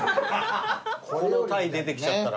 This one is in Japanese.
このタイ出てきちゃったら。